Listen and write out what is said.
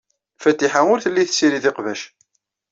Fatiḥa ur telli tessirid iqbac.